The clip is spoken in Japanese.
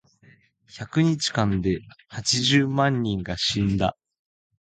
百日間で八十万人が死んだ。